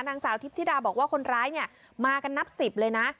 นางสาวทิพธิดาบอกว่าคนร้ายเนี่ยมากันนับสิบเลยนะ